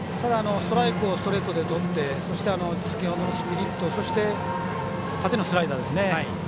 ストライクをストレートでとってそして、スプリットそして、縦のスライダー。